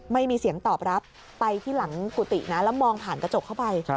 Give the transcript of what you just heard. ไม่มีเสียงตอบรับไปที่หลังกุฏินะแล้วมองผ่านกระจกเข้าไป